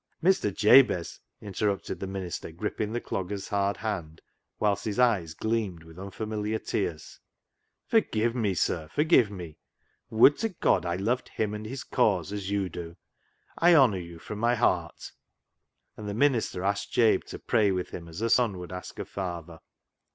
Mr. Jabez," interrupted the minister, grip ping the dogger's hard hand, whilst his eyes gleamed with unfamiliar tears, " Forgive me, sir, forgive me ! Would to God I loved Him and His cause as you do. I honour you from my heart," And the minister asked Jabe to pray with him as a son would ask a father.